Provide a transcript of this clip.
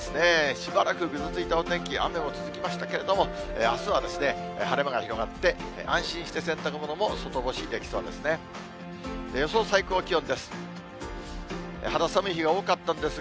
しばらくぐずついたお天気、雨も続きましたけれども、あすは晴れ間が広がって、安心して洗濯物も外干しできそうですね。